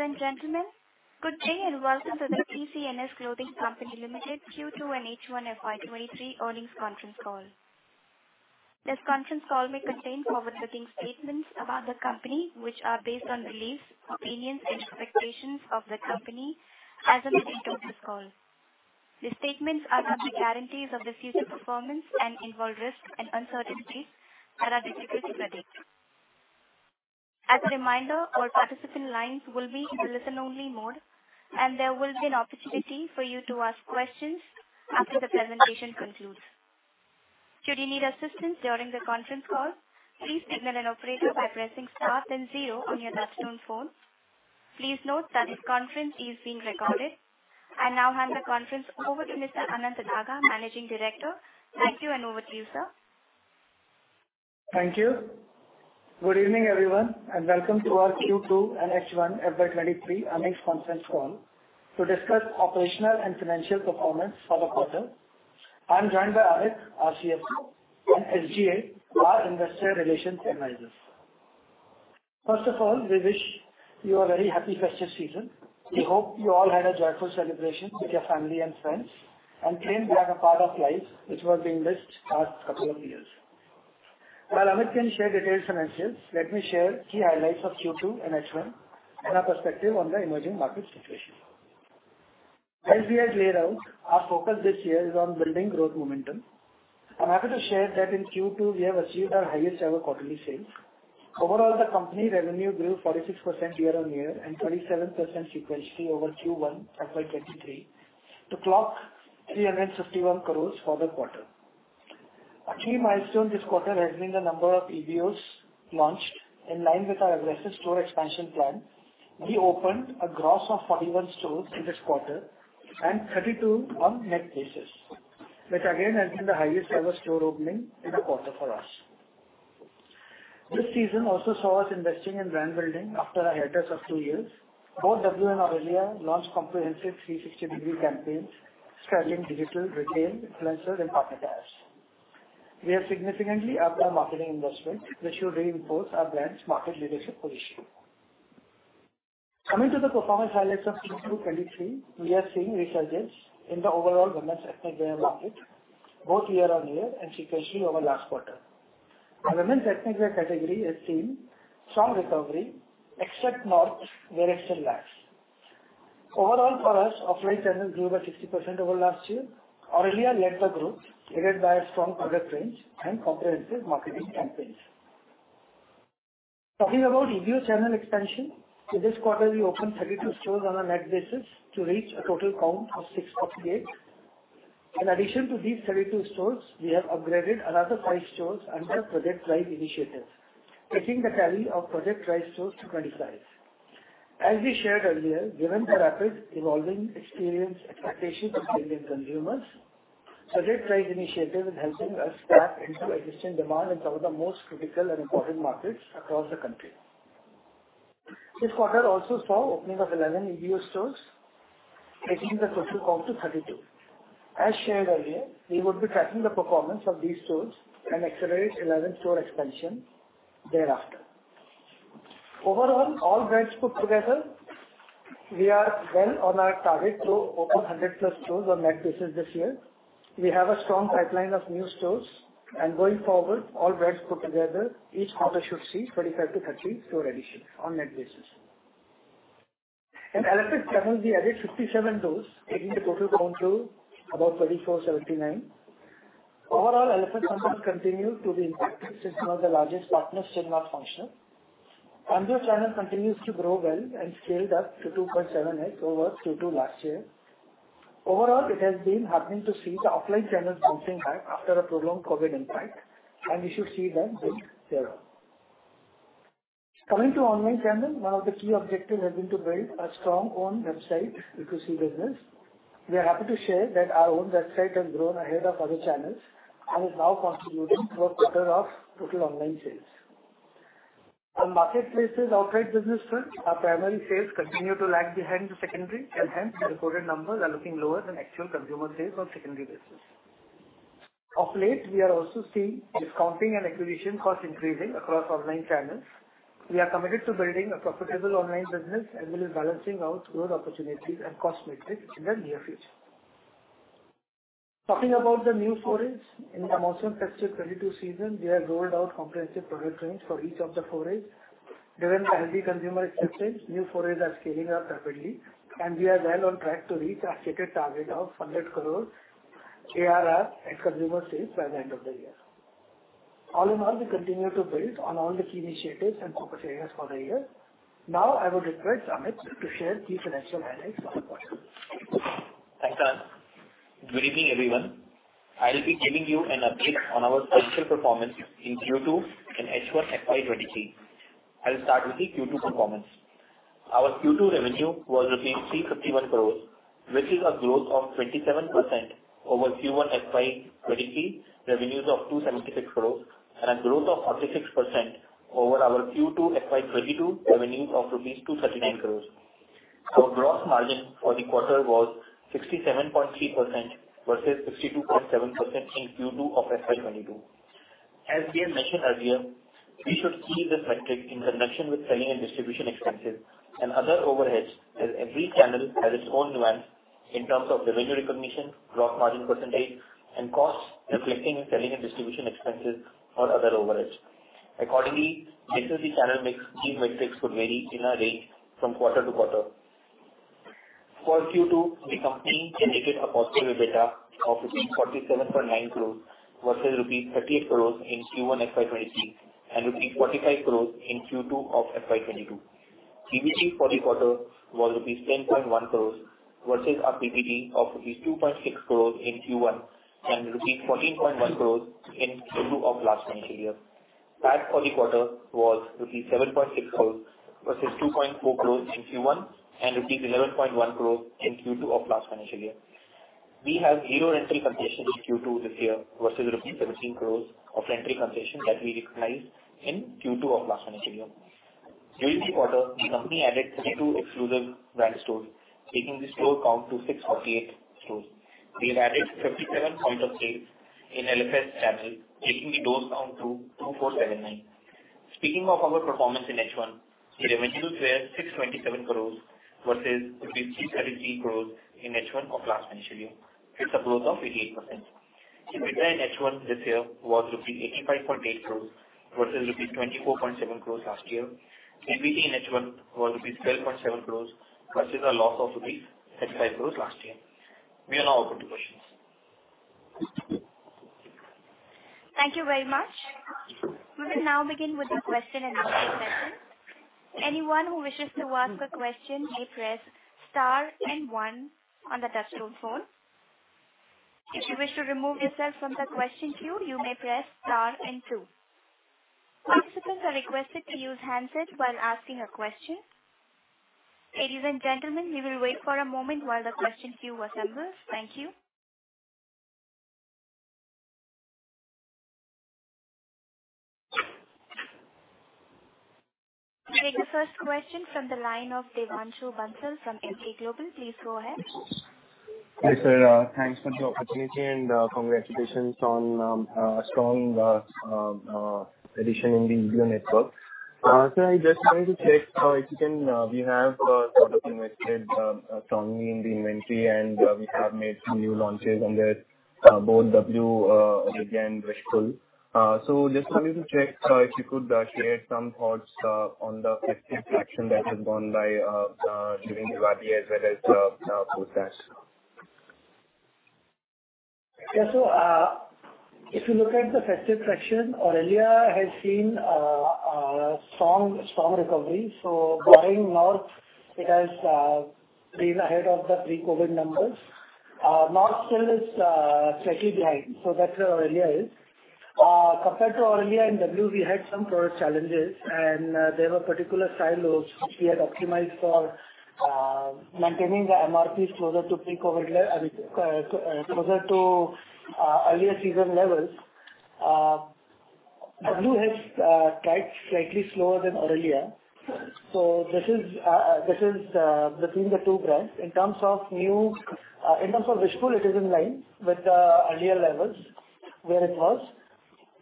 Ladies and gentlemen, good day and welcome to the TCNS Clothing Company Limited Q2 and H1 FY 2023 earnings conference call. This conference call may contain forward-looking statements about the company which are based on beliefs, opinions, and expectations of the company as of the date of this call. The statements are not guarantees of the future performance and involve risks and uncertainties that are difficult to predict. As a reminder, all participant lines will be in listen-only mode, and there will be an opportunity for you to ask questions after the presentation concludes. Should you need assistance during the conference call, please signal an operator by pressing Star then zero on your touchtone phone. Please note that this conference is being recorded. I now hand the conference over to Mr. Anant Daga, Managing Director. Thank you, and over to you, sir. Thank you. Good evening, everyone, and welcome to our Q2 and H1 FY 2023 earnings conference call to discuss operational and financial performance for the quarter. I'm joined by Amit, our CFO, and SGA, our investor relations analyst. First of all, we wish you a very happy festive season. We hope you all had a joyful celebration with your family and friends, and claimed back a part of life which was being missed last couple of years. While Amit can share detailed financials, let me share key highlights of Q2 and H1 and our perspective on the emerging market situation. As we had laid out, our focus this year is on building growth momentum. I'm happy to share that in Q2 we have achieved our highest ever quarterly sales. Overall, the company revenue grew 46% year on year and 27% sequentially over Q1 FY 2023 to clock 351 crores for the quarter. A key milestone this quarter has been the number of EBOs launched. In line with our aggressive store expansion plan, we opened a gross of 41 stores in this quarter and 32 on net basis, which again has been the highest ever store opening in a quarter for us. This season also saw us investing in brand building after a hiatus of two years. Both W and Aurelia launched comprehensive 360-degree campaigns spanning digital, retail, influencers, and partnerships. We have significantly upped our marketing investment, which will reinforce our brand's market leadership position. Coming to the performance highlights of Q2 FY 2023, we are seeing resurgence in the overall women's ethnic wear market, both year-on-year and sequentially over last quarter. The women's ethnic wear category has seen strong recovery except North, where it still lags. Overall, for us, offline channel grew by 60% over last year. Aurelia led the growth, aided by a strong product range and comprehensive marketing campaigns. Talking about EBO channel expansion, in this quarter we opened 32 stores on a net basis to reach a total count of 648. In addition to these 32 stores, we have upgraded another 5 stores under Project Rise initiative, taking the tally of Project Rise stores to 25. As we shared earlier, given the rapid evolving experience expectations of Indian consumers, Project Rise initiative is helping us tap into existing demand in some of the most critical and important markets across the country. This quarter also saw opening of 11 EBO stores, taking the total count to 32. As shared earlier, we would be tracking the performance of these stores and accelerate 11 store expansion thereafter. Overall, all brands put together, we are well on our target to open 100+ stores on net basis this year. We have a strong pipeline of new stores, and going forward, all brands put together, each quarter should see 25 store-30 store additions on net basis. In LFS channels, we added 57 stores, taking the total count to about 2,479. Overall, LFS channels continue to be impacted since one of the largest partners is still not functional. Online channel continues to grow well and scaled up to 2.7x over Q2 last year. Overall, it has been heartening to see the offline channels bouncing back after a prolonged COVID impact, and we should see them build thereof. Coming to online channel, one of the key objectives has been to build a strong own website B2C business. We are happy to share that our own website has grown ahead of other channels and is now contributing to a quarter of total online sales. On marketplaces outright business front, our primary sales continue to lag behind the secondary, and hence the reported numbers are looking lower than actual consumer sales on secondary business. Of late, we are also seeing discounting and acquisition costs increasing across online channels. We are committed to building a profitable online business as well as balancing out growth opportunities and cost matrix in the near future. Talking about the new forays in the monsoon festive 2022 season, we have rolled out comprehensive product range for each of the forays. Given the healthy consumer acceptance, new forays are scaling up rapidly, and we are well on track to reach our stated target of 100 crore ARR and consumer sales by the end of the year. All in all, we continue to build on all the key initiatives and focus areas for the year. Now I would request Amit to share key financial highlights for the quarter. Thanks, Anant. Good evening, everyone. I'll be giving you an update on our financial performance in Q2 and H1 FY 2023. I'll start with the Q2 performance. Our Q2 revenue was rupees 351 crore, which is a growth of 27% over Q1 FY 2023 revenues of 276 crore, and a growth of 46% over our Q2 FY 2022 revenues of rupees 239 crore. Our gross margin for the quarter was 67.3% versus 62.7% in Q2 of FY 2022. As we had mentioned earlier, we should see this metric in connection with selling and distribution expenses and other overheads, as every channel has its own nuance in terms of revenue recognition, gross margin percentage, and costs reflecting in selling and distribution expenses or other overheads. Accordingly, based on the channel mix, these metrics could vary in a range from quarter to quarter. For Q2, the company generated a positive EBITDA of INR 47.9 crores versus INR 38 crores in Q1 FY 2026, and INR 45 crores in Q2 of FY 2022. EBIT for the quarter was INR 10.1 crores versus our PBT of INR 2.6 crores in Q1, and INR 14.1 crores in Q2 of last financial year. PAT for the quarter was INR 7.6 crores versus INR 2.4 crores in Q1, and rupees 11.1 crores in Q2 of last financial year. We have 0 rental concessions in Q2 this year versus INR 17 crores of rental concessions that we recognized in Q2 of last financial year. During the quarter, the company added 32 exclusive brand stores, taking the store count to 648 stores. We have added 57 points of sale in LFS channel, taking the doors count to 2,479. Speaking of our performance in H1, the revenues were 627 crores versus 373 crores in H1 of last financial year. It's a growth of 88%. EBITDA in H1 this year was rupee 85.8 crores versus rupee 24.7 crores last year. PBT in H1 was rupee 12.7 crore versus a loss of rupee 35 crore last year. We are now open to questions. Thank you very much. We will now begin with the question and answer session. Anyone who wishes to ask a question may press star and one on the touchtone phone. If you wish to remove yourself from the question queue, you may press star and two. Participants are requested to use handset while asking a question. Ladies and gentlemen, we will wait for a moment while the question queue assembles. Thank you. We take the first question from the line of Devanshu Bansal from Emkay Global. Please go ahead. Hi, sir. Thanks for the opportunity and congratulations on strong addition in the Aurelia network. We have sort of invested strongly in the inventory, and we have made some new launches under both W, Aurelia and Wishful. Just wanted to check if you could share some thoughts on the festive traction that has gone by during Diwali as well as Dussehra. Yeah. If you look at the festive traction, Aurelia has seen strong recovery. Barring North, it has been ahead of the pre-COVID numbers. North still is slightly behind, so that's where Aurelia is. Compared to Aurelia and W, we had some product challenges, and there were particular styles which we had optimized for maintaining the MRPs closer to pre-COVID, I mean, closer to earlier season levels. W has tracked slightly slower than Aurelia. This is between the two brands. In terms of Wishful, it is in line with earlier levels where it was.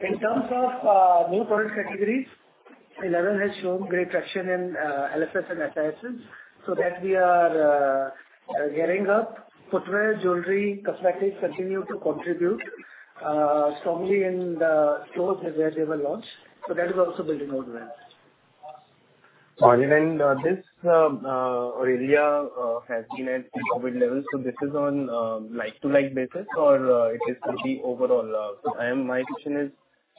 In terms of new product categories, elleven has shown great traction in LFS, so that we are gearing up. Footwear, jewelry, cosmetics continue to contribute strongly in the stores where they were launched, so that is also building out well. Got it. This Aurelia has been at pre-COVID levels, so this is on like-to-like basis or it is to the overall? My question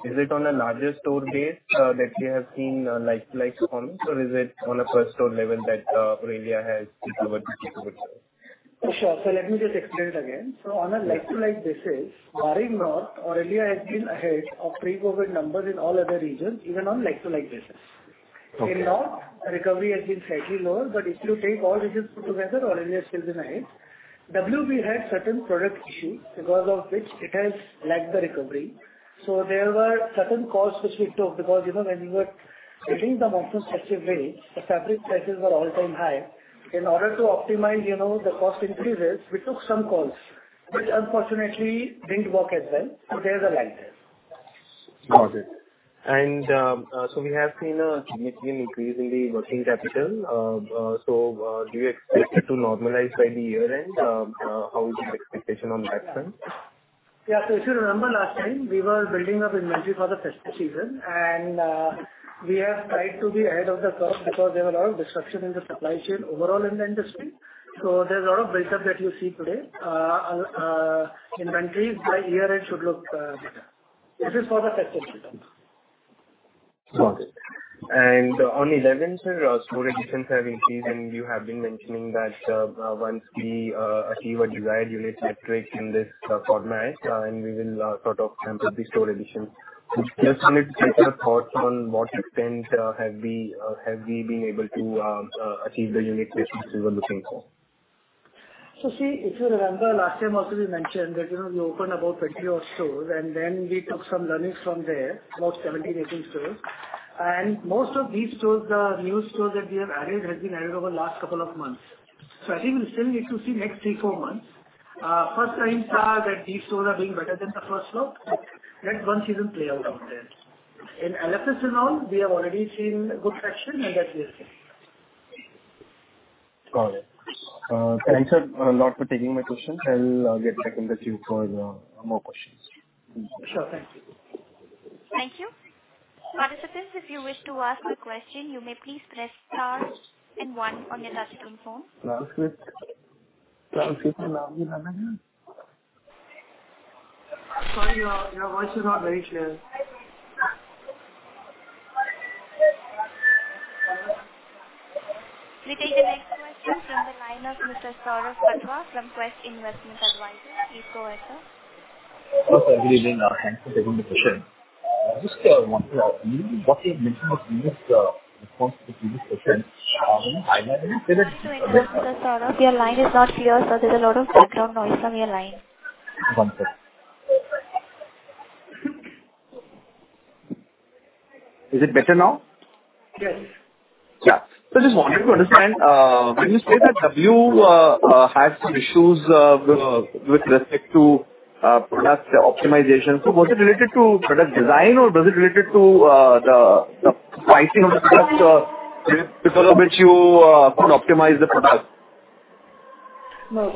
is it on a larger store base that we have seen like-to-like performance or is it on a per store level that Aurelia has recovered to pre-COVID levels? Sure. Let me just explain it again. On a like-to-like basis, barring North, Aurelia has been ahead of pre-COVID numbers in all other regions, even on like-to-like basis. Okay. In North, recovery has been slightly lower, but if you take all regions put together, Aurelia has still been ahead. W, we had certain product issues because of which it has lagged the recovery. There were certain calls which we took because, you know, when we were getting the monsoon festive ready, the fabric prices were all-time high. In order to optimize, you know, the cost increases, we took some calls, which unfortunately didn't work as well. There's a lag there. Got it. We have seen a significant increase in the working capital. Do you expect it to normalize by the year-end? How is your expectation on that front? Yeah. If you remember last time, we were building up inventory for the festive season, and we have tried to be ahead of the curve because there were a lot of disruption in the supply chain overall in the industry. There's a lot of buildup that you see today. Inventory by year-end should look better. This is for the festive season. Got it. On elleven, sir, store additions have increased, and you have been mentioning that once we achieve a desired unit metric in this format, and we will sort of ramp up the store additions. Just wanted to take your thoughts on what extent have we been able to achieve the unit business we were looking for? See, if you remember last time also we mentioned that, you know, we opened about 20-odd stores, and then we took some learnings from there, about 17, 18 stores. Most of these stores, the new stores that we have added, has been added over last couple of months. I think we still need to see next 3, 4 months first time that these stores are doing better than the first store. Let one season play out there. In LFS and all, we have already seen a good traction and that we have seen. Got it. Thanks a lot for taking my questions. I'll get back in the queue for more questions. Sure. Thank you. Thank you. Participants, if you wish to ask a question, you may please press star then one on your touchtone phone. Sorry, your voice is not very clear. We take the next question from the line of Mr. Saurabh Patwa from Quest Investment Advisers. Please go ahead, sir. Good evening. Thanks for taking the question. Just one... What you mentioned of this response to the previous question, I- Sorry, Mr. Saurabh. Your line is not clear, sir. There's a lot of background noise on your line. One sec. Is it better now? Yes. Yeah. Just wanted to understand, when you say that W has some issues with respect to product optimization. Was it related to product design or was it related to the pricing of the product, because of which you couldn't optimize the product? No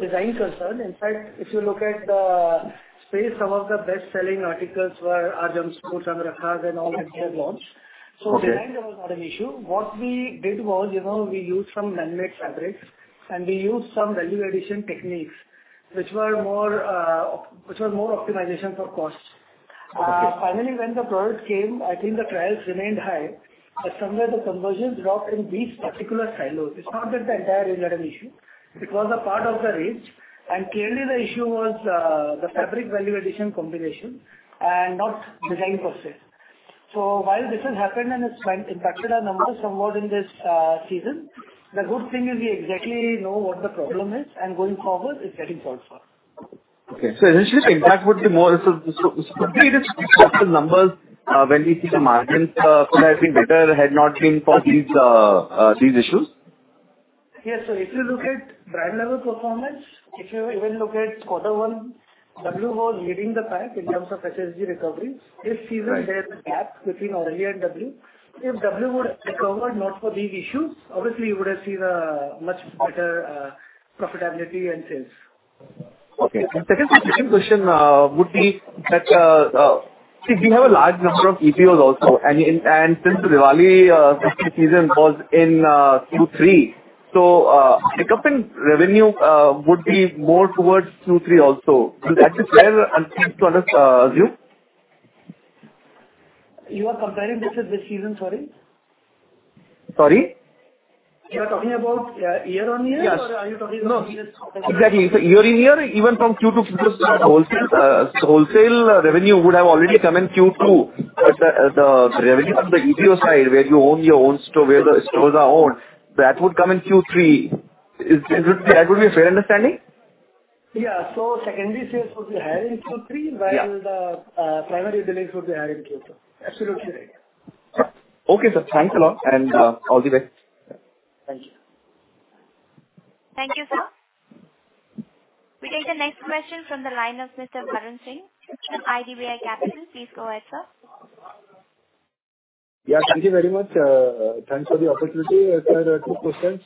design concern. In fact, if you look at the space, some of the best-selling articles were our jumpsuits and kurtas and all that we have launched. Okay. Design was not an issue. What we did was, you know, we used some man-made fabrics, and we used some value addition techniques which were more optimized for costs. Okay. Finally, when the product came, I think the trials remained high, but somewhere the conversions dropped in these particular silos. It's not that the entire range had an issue. It was a part of the range. Clearly the issue was, the fabric value addition combination and not design per se. While this has happened, and it's impacted our numbers somewhat in this season, the good thing is we exactly know what the problem is and going forward it's getting solved for. Initially the impact would be more. Could we just look at the numbers when we see the margins could have been better had not been for these issues? Yes. If you look at brand level performance, if you even look at quarter one, W was leading the pack in terms of SSG recovery. This season. Right. There's a gap between Aurelia and W. If W would have recovered, not for these issues, obviously you would have seen a much better profitability and sales. Okay. Second, the second question would be that, see, we have a large number of EBOs also, and since Diwali season falls in Q3, so, hiccup in revenue would be more towards Q3 also. Is that fair? I'm trying to assume? You are comparing this with which season, sorry? Sorry? You are talking about year-on-year. Yes. Are you talking about previous quarter? Exactly. Year on year or even from Q2-Q3 wholesale revenue would have already come in Q2. The revenue on the EBO side, where you own your own store, where the stores are owned, that would come in Q3. Is it? That would be a fair understanding? Yeah. Secondary sales would be higher in Q3. Yeah. While the primary deliveries would be higher in Q4. Absolutely right. Okay, sir. Thanks a lot. Sure. All the best. Thank you. Thank you, sir. We take the next question from the line of Mr. Varun Singh from IDBI Capital. Please go ahead, sir. Yeah, thank you very much. Thanks for the opportunity. Sir, two questions.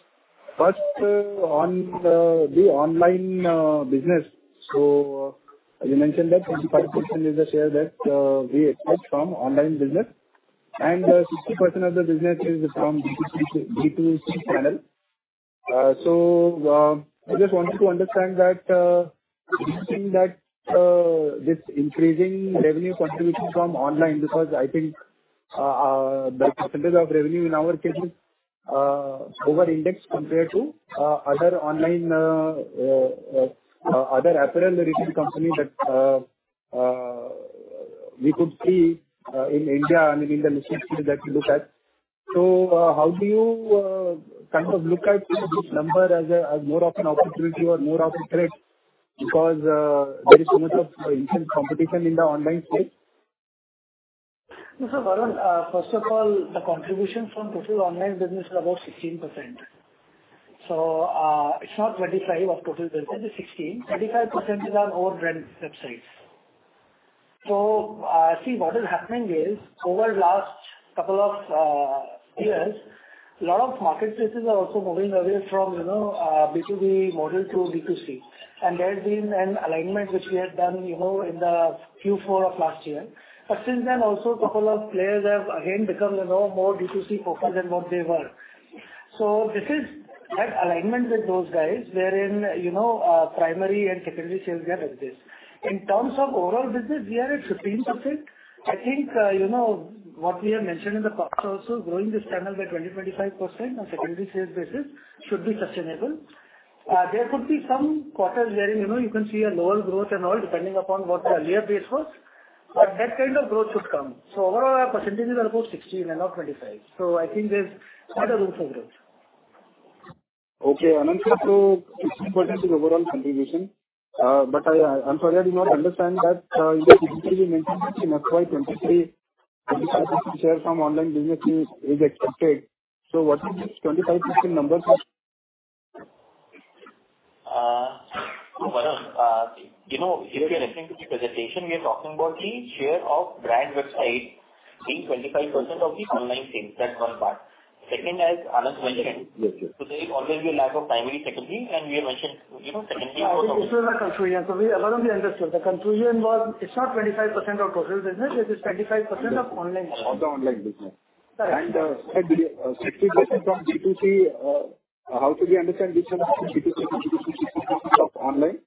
First, on the online business. You mentioned that 25% is the share that we expect from online business and 60% of the business is from B2C channel. I just wanted to understand, do you think that this increasing revenue contribution from online, because I think the percentage of revenue in our case is over indexed compared to other online apparel retail company that we could see in India and in the listed space that we look at. How do you kind of look at this number as more of an opportunity or more of a threat because there is so much of intense competition in the online space. No, Varun. First of all, the contribution from total online business is about 16%. It's not 25% of total business, it's 16%. 25% is our own brand websites. See, what is happening is over last couple of years, lot of marketplaces are also moving away from, you know, B2B model to B2C. There's been an alignment which we had done, you know, in the Q4 of last year. Since then, also couple of players have again become, you know, more B2C focused than what they were. This is that alignment with those guys wherein, you know, primary and secondary sales are like this. In terms of overall business, we are at 15%. I think, you know, what we have mentioned in the past also, growing this channel by 25% on secondary sales basis should be sustainable. There could be some quarters wherein, you know, you can see a lower growth and all depending upon what the earlier base was. That kind of growth should come. Overall, our percentages are about 16% and not 25%. I think there's quite a room for growth. Increase to 16% is overall contribution. I'm sorry, I did not understand that you previously mentioned that in FY 2023 share from online business is expected. What is this 25% number? Varun, you know, if you're listening to the presentation, we are talking about the share of brand website being 25% of the online sales. That's one part. Second, as Anant mentioned. Yes, yes. There is always a lack of primary, secondary, and we have mentioned, you know, secondary. I think this is a confusion. Varun, we understood. The confusion was it's not 25% of total business, it is 25% of online sales. Of the online business. 60% from B2C, how do we understand this number B2C, B2B of online?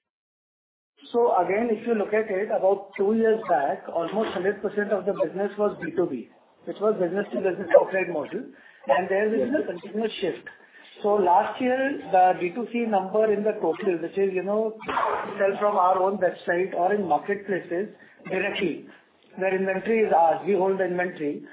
Again, if you look at it, about two years back, almost 100% of the business was B2B. It was business-to-business upgrade model. There has been a continuous shift. Last year, the B2C number in the total, which is, you know, sales from our own website or in marketplaces directly, where inventory is ours, we hold the inventory,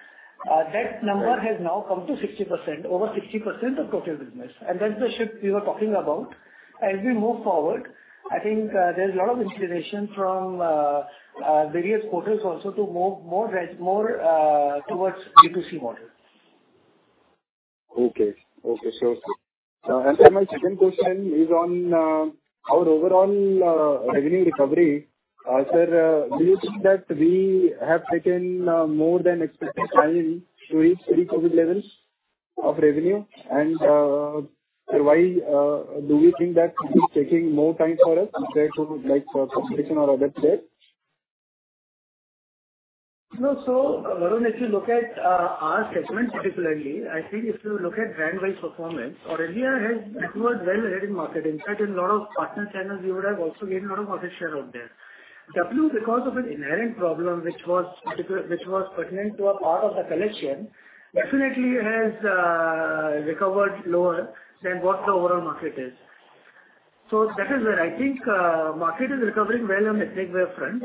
that number has now come to 60%, over 60% of total business. That's the shift we were talking about. As we move forward, I think, there's a lot of inspiration from various quarters also to move more towards B2C model. Okay. Sure, sir. Then my second question is on our overall revenue recovery. Sir, do you think that we have taken more than expected time to reach pre-COVID levels of revenue? Why do we think that it is taking more time for us compared to like for competition or others there? No. Varun, if you look at our segment particularly, I think if you look at brand wise performance, Aurelia has improved well ahead in market. In fact, in a lot of partner channels, we would have also gained a lot of market share out there. W, because of an inherent problem, which was pertinent to a part of the collection, definitely has recovered slower than what the overall market is. That is where I think market is recovering well on ethnic wear front.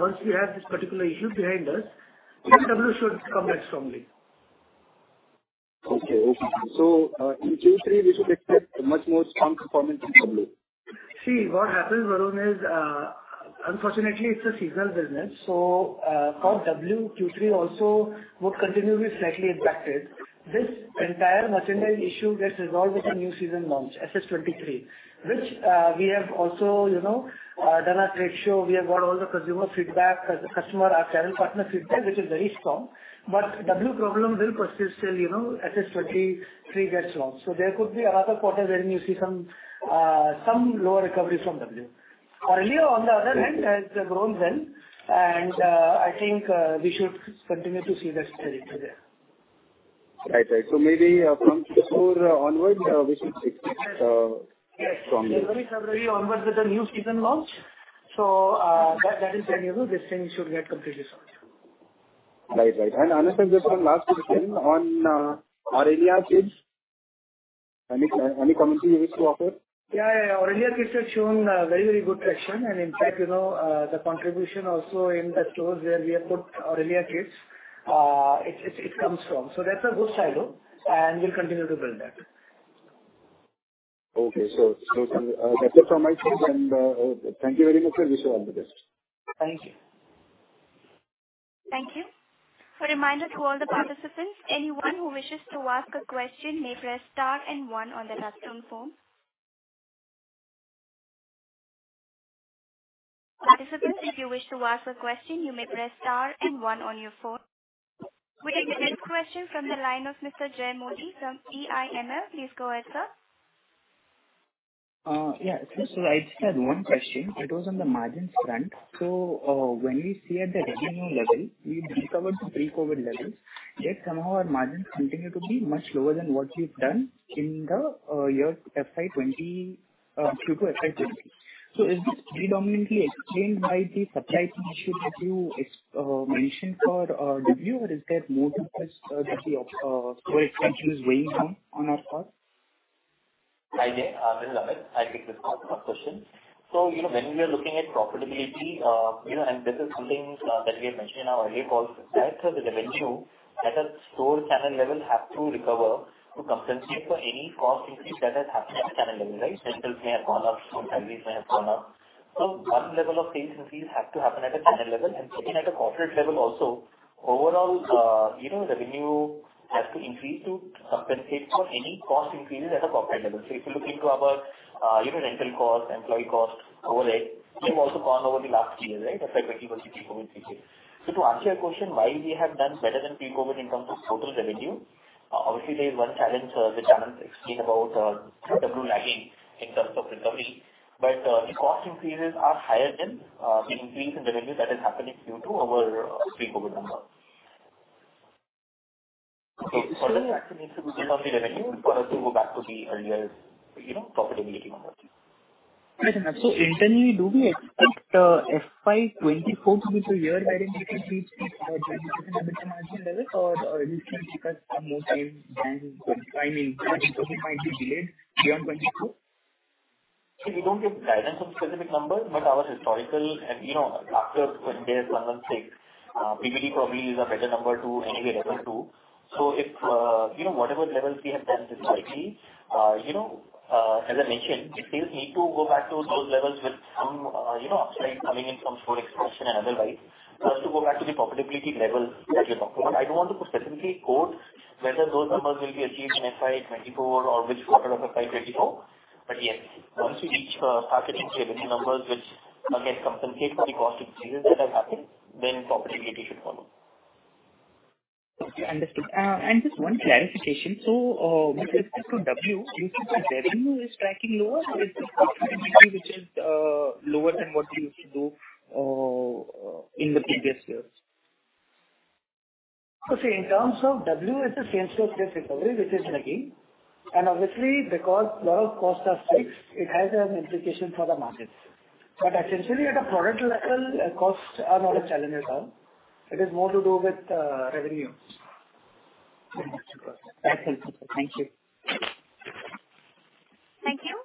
Once we have this particular issue behind us, then W should come back strongly. Okay, in Q3, we should expect a much more strong performance from W. See, what happens, Varun, is unfortunately it's a seasonal business. For W, Q3 also would continue to be slightly impacted. This entire merchandise issue gets resolved with the new season launch, SS'23, which we have also, you know, done our trade show. We have got all the consumer feedback, customer, our channel partner feedback, which is very strong. W problem will persist till, you know, SS'23 gets launched. There could be another quarter wherein you see some lower recovery from W. Aurelia on the other hand has grown well and I think we should continue to see that trajectory there. Right. Maybe from Q4 onward, we should see strongly. Yes. February onwards with the new season launch. That is when, you know, this thing should get completely sorted. Right. Right. Anant sir, just one last question on Aurelia Kids. Any comment you wish to offer? Yeah. Aurelia Kids has shown very good traction. In fact, you know, the contribution also in the stores where we have put Aurelia Kids, it comes strong. That's a good silo, and we'll continue to build that. Okay. That's it from my side and thank you very much, sir. Wish you all the best. Thank you. Thank you. A reminder to all the participants, anyone who wishes to ask a question may press star and one on their touchtone phone. Participants, if you wish to ask a question, you may press star and one on your phone. We have the next question from the line of Mr. Jay Modi from EIML. Please go ahead, sir. Yeah. I just had one question. It was on the margins front. When we see at the revenue level, we've recovered to pre-COVID levels, yet somehow our margins continue to be much lower than what you've done in the years FY 2020 pre to FY 2020. Is this predominantly explained by the supply chain issue that you mentioned for W, or is there more to this that the core inflation is weighing down on our part? Hi, Jay Modi. This is Amit Chand. I think this calls for a question. You know, when we are looking at profitability, you know, and this is something that we have mentioned in our earlier calls as well, that the revenue at a store channel level have to recover to compensate for any cost increase that has happened at the channel level, right? Rentals may have gone up, utilities may have gone up. One level of sales increase has to happen at a channel level. Second, at a corporate level also, overall, you know, revenue has to increase to compensate for any cost increases at a corporate level. If you look into our, you know, rental cost, employee cost, overhead, they've also gone over the last year, right? Affecting post-COVID situation. To answer your question, why we have done better than pre-COVID in terms of total revenue, obviously there is one challenge, which Anant explained about, W lagging in terms of recovery. The cost increases are higher than the increase in revenue that is happening due to our pre-COVID numbers. Okay. That means recovery revenue for us to go back to the earlier, you know, profitability numbers. Right. Internally, do we expect FY 2024 to be the year wherein we can reach the pre-COVID EBITDA margin levels? Or it will take us some more time than what we find in 2020 might be delayed beyond 2022? We don't give guidance on specific numbers, but our historical and, you know, after, when there's some mistakes, PBT probably is a better number to anyway refer to. If, you know, whatever levels we have done this FY, you know, as I mentioned, we still need to go back to those levels with some, you know, upside coming in from store expansion and otherwise. Plus to go back to the profitability levels that you're talking about. I don't want to specifically quote whether those numbers will be achieved in FY 2024 or which quarter of FY 2024. Yes, once we reach sufficient revenue numbers, which again compensate for the cost increases that have happened, then profitability should follow. Okay, understood. Just one clarification. With respect to W, do you think the revenue is tracking lower or is it the profitability which is lower than what you used to do in the previous years? See, in terms of W, it's the same-store sales recovery which is lagging. Obviously, because lot of costs are fixed, it has an implication for the margins. Essentially at a product level, costs are not a challenge at all. It is more to do with revenue. Got it. That's helpful. Thank you. Thank you.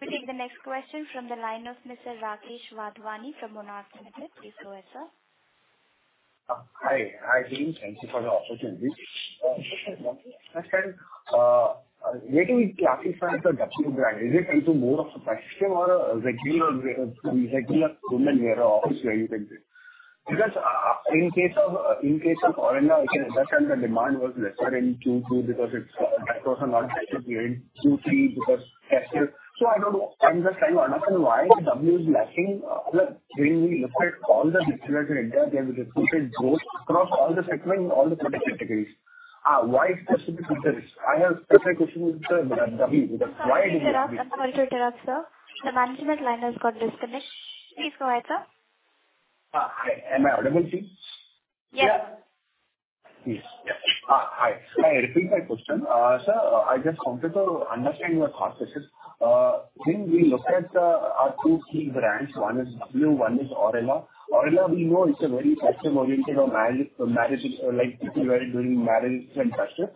We'll take the next question from the line of Mr. Rakesh Wadhwani from Monarch AIF. Please go ahead, sir. Hi. Hi, team. Thank you for the opportunity. Where do we classify the W brand? Is it into more of a festive or a regular women wear or office wear, you can say? Because, in case of Aurelia, that time the demand was lesser in Q2 because it's. That was a non-festive period. Q3 because festive. I don't know. I'm just trying to understand why W is lacking. Like, when we look at all the retailers in India, they have reported growth across all the segments, all the product categories. Why is this specific interest? I have a specific question with the W. Why is it- Sorry to interrupt. I'm sorry to interrupt, sir. The management line has got disconnected. Please go ahead, sir. Hi. Am I audible to you? Yeah. Yes. Hi. Repeating my question. Sir, I just wanted to understand your thought process. When we look at our two key brands, one is W, one is Aurelia. Aurelia we know it's a very festive-oriented or marriages, like people wear it during marriage and festive.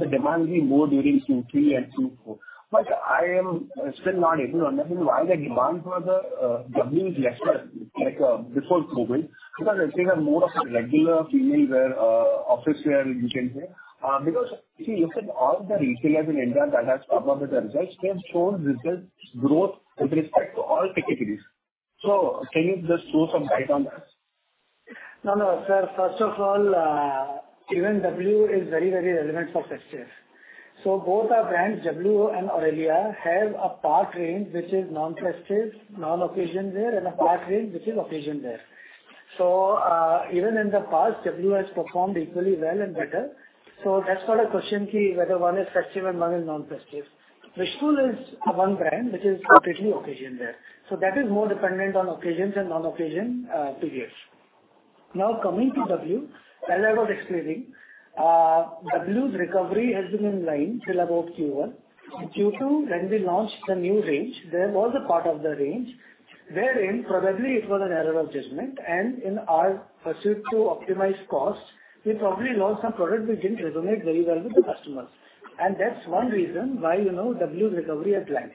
The demand will be more during Q3 and Q4. I am still not able to understand why the demand for the W is lesser, like before COVID, because I think it's more of a regular female wear, office wear, you can say. Because if you look at all the retailers in India that has come up with the results, they have shown results growth with respect to all categories. Can you just throw some light on that? No, no, sir. First of all, even W is very, very relevant for festive. Both our brands, W and Aurelia, have a part range which is non-festive, non-occasion wear, and a part range which is occasion wear. Even in the past, W has performed equally well and better. That's not a question, key whether one is festive and one is non-festive. Wishful is one brand which is completely occasion wear. That is more dependent on occasions and non-occasion periods. Now, coming to W, as I was explaining, W's recovery has been in line till about Q1. Q2, when we launched the new range, there was a part of the range wherein probably it was an error of judgment, and in our pursuit to optimize costs, we probably launched some product which didn't resonate very well with the customers. That's one reason why, you know, W's recovery has lagged.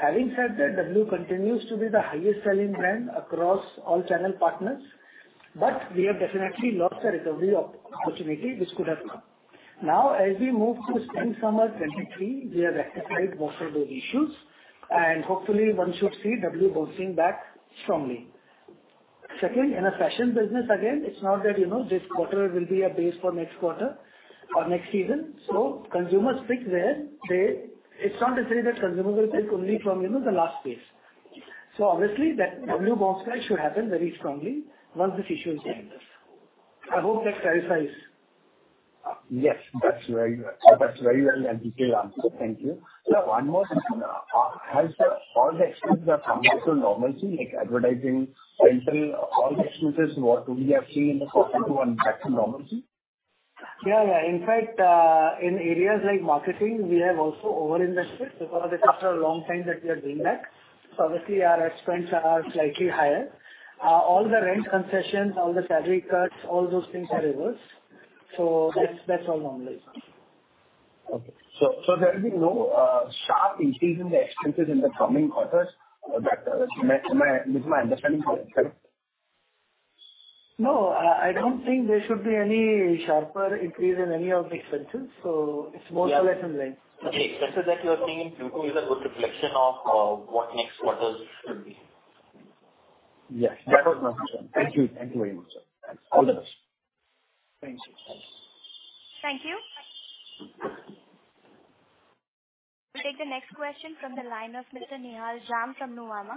Having said that, W continues to be the highest selling brand across all channel partners, but we have definitely lost a recovery opportunity which could have come. Now, as we move to spring/summer 2023, we have rectified most of those issues, and hopefully one should see W bouncing back strongly. Second, in a fashion business, again, it's not that, you know, this quarter will be a base for next quarter or next season. Consumers pick where they. It's not to say that consumers will pick only from, you know, the last phase. Obviously that W bounce back should happen very strongly once this issue is behind us. I hope that clarifies. Yes, that's very good. That's very well and detailed answer. Thank you. Sir, one more thing. Has the all the expenses have come back to normalcy, like advertising, rental, all the expenses, what we have seen in the quarter two, back to normalcy? Yeah. In fact, in areas like marketing, we have also over-invested because it is a long time that we are doing that. Obviously our ad spends are slightly higher. All the rent concessions, all the salary cuts, all those things have reversed. That's all normalized. Okay. There will be no sharp increase in the expenses in the coming quarters? Is my understanding correct, sir? No, I don't think there should be any sharper increase in any of the expenses, so it's more or less in line. Okay. Expenses that you are seeing in Q2 is a good reflection of what next quarters will be. Yes, that was my question. Thank you. Thank you very much, sir. All the best. Thank you. Thank you. We'll take the next question from the line of Mr. Nihal Jham from Nuvama.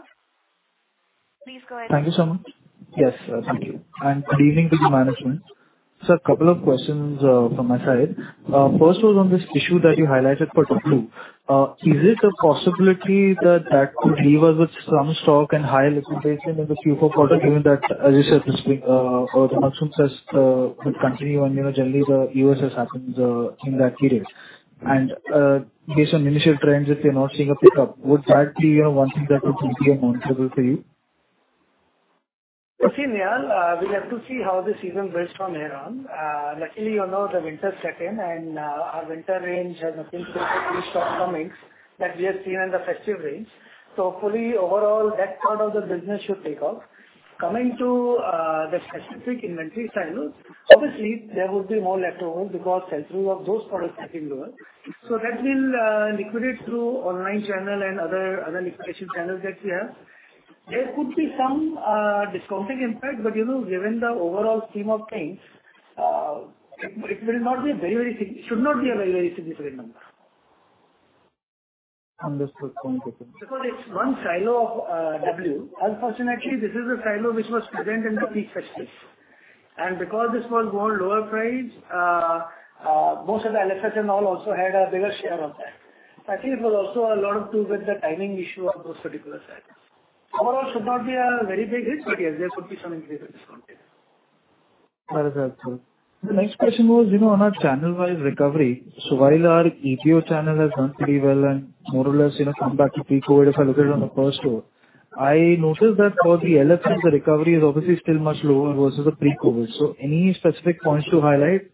Please go ahead. Thank you so much. Yes, thank you. Good evening to the management. Sir, couple of questions from my side. First was on this issue that you highlighted for W. Is it a possibility that that could leave us with some stock and high liquidations in the Q4 quarter, given that, as you said, this, the monsoon season will continue and, you know, generally the Dussehra happens in that period. Based on initial trends, if you're not seeing a pickup, would that be, you know, one thing that could simply be a monster for you? You see, Nihal, we have to see how the season builds from here on. Luckily, you know, the winter set in and our winter range has nothing to do with shortcomings that we have seen in the festive range. Hopefully overall that part of the business should take off. Coming to the specific inventory silos, obviously there would be more left to hold because sell-through of those products has been lower. That will liquidate through online channel and other liquidation channels that we have. There could be some discounting impact, but you know, given the overall scheme of things, it should not be a very, very significant number. Understood. Thank you. Because it's one silo of W. Unfortunately, this is a silo which was present in the peak festive. Because this was more lower priced, most of the LFS and all also had a bigger share of that. I think it was also a lot to do with the timing issue of those particular silos. Overall should not be a very big risk, but yes, there could be some increase in discounting. All right, sir. The next question was, you know, on our channel-wise recovery. While our EBO channel has done pretty well and more or less, you know, come back to pre-COVID if I look at it on the first row, I noticed that for the LFS, the recovery is obviously still much lower versus the pre-COVID. Any specific points to highlight?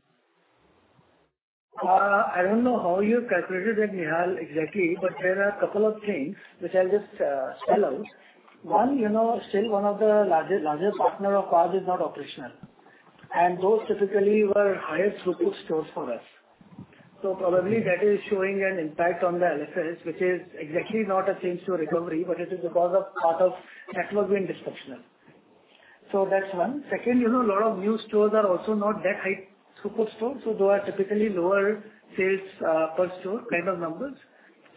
I don't know how you have calculated that, Nihal, exactly, but there are a couple of things which I'll just spell out. One, you know, still one of the largest partner of ours is not operational, and those typically were higher throughput stores for us. Probably that is showing an impact on the LFS, which is exactly not a change to recovery, but it is because of part of network being dysfunctional. That's one. Second, you know, a lot of new stores are also not that high throughput stores, so those are typically lower sales per store kind of numbers.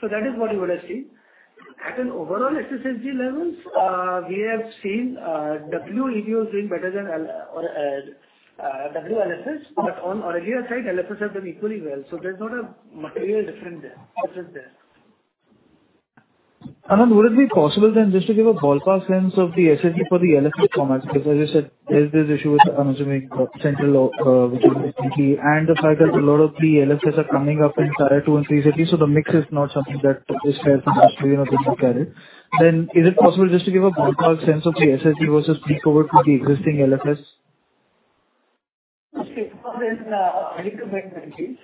That is what you would have seen. At an overall SSG levels, we have seen W EBO doing better than LFS or W LFS. On a year side, LFS have done equally well, so there's not a material difference there. Anant, would it be possible then just to give a ballpark sense of the SSG for the LFS format? Because as you said, there's this issue with, I'm assuming, the Central, which is Mm-hmm. The fact that a lot of the LFS are coming up in Tier 2 and 3 cities, so the mix is not something that is fair comparison, you know, to look at it. Is it possible just to give a ballpark sense of the SSG versus pre-COVID for the existing LFS? Okay. More than increment in change.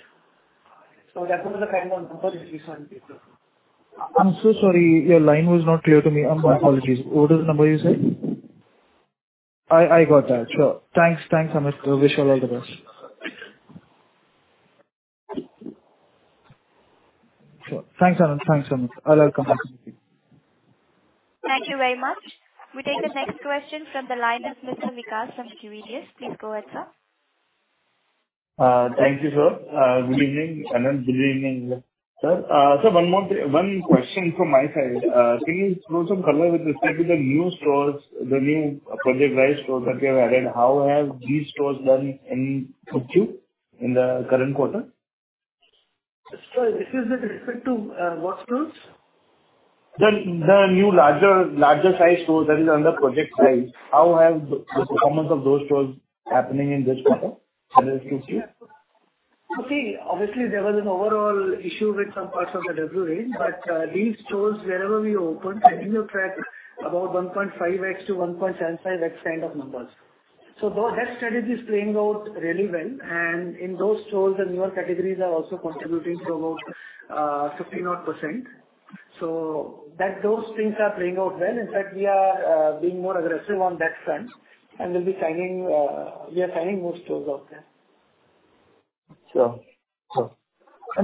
That was the kind of number which we saw in Q2. I'm so sorry, your line was not clear to me. My apologies. What was the number you said? I got that. Sure. Thanks. Thanks, Amit. Wish you all the best. Sure. Thanks, Anant. Thanks, Amit. I'll welcome Thank you. Thank you very much. We take the next question from the line of Mr. Vikas from QDS. Please go ahead, sir. Thank you, sir. Good evening, Anant. Good evening, sir. One more thing, one question from my side. Can you throw some color with respect to the new stores, the new Project Rise stores that you have added? How have these stores done in Q2 in the current quarter? Sorry, this is with respect to what stores? The new larger size stores that is under Project Rise. How have the performance of those stores happening in this quarter in Q2? Okay. Obviously, there was an overall issue with some parts of the W range, but these stores, wherever we opened, are on track about 1.5x-1.75x kind of numbers. That strategy is playing out really well. In those stores, the newer categories are also contributing to about 15-odd%. Those things are playing out well. In fact, we are being more aggressive on that front, and we are signing more stores out there. Sure.